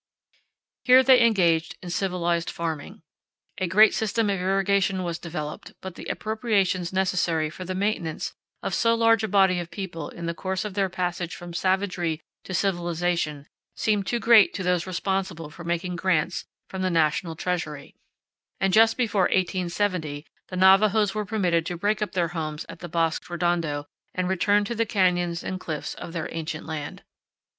Here they engaged in civilized farming. A great system powell canyons 27.jpg RUINS AT THE HEAD OF MCELMO CANYON. of irrigation was developed; but the appropriations necessary for the maintenance of so large a body of people in the course of their passage from savagery to civilization seemed too great to those responsible for making grants from the national treasury, and just before 1870 the Navajos were permitted to break up their homes at the Bosque Redondo and return to the canyons and cliffs of their ancient land.